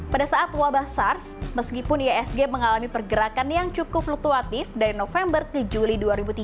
pada saat wabah sars meskipun iasg mengalami pergerakan yang cukup fluktuatif dari november ke juli dua ribu tiga belas